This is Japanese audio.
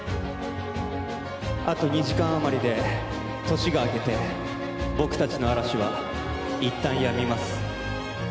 あと２時間あまりで年が明けて僕たちの嵐はいったんやみます。